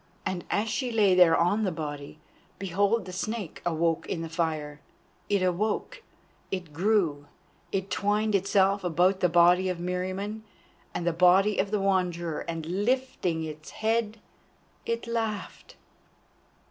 And as she lay there on the body, behold the Snake awoke in the fire. It awoke, it grew, it twined itself about the body of Meriamun and the body of the Wanderer, and lifting its head, it laughed.